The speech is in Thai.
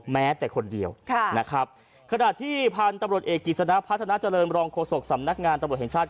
แม้แต่คนเดียวนะครับขณะที่พันธุ์ตำรวจเอกกิจสนะพัฒนาเจริญรองโฆษกสำนักงานตำรวจแห่งชาติ